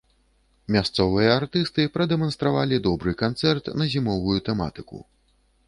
Мясцовыя артысты прадэманстравалі добры канцэрт на зімовую тэматыку.